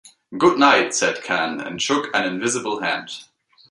"Good-night," said Khan, and shook an invisible hand.